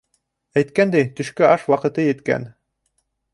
Әйткәндәй, төшкө аш ваҡыты еткән.